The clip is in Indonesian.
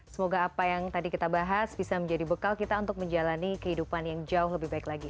semoga apa yang tadi kita bahas bisa menjadi bekal kita untuk menjalani kehidupan yang jauh lebih baik lagi